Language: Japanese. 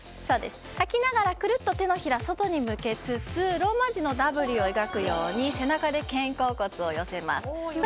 吐きながらくるっと手のひら外に向けつつローマ字のＷを描くように背中で肩甲骨を寄せます。